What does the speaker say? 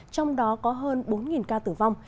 trong đó có hơn bốn ca tử vong